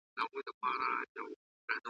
د پکتیکا زلزلې ,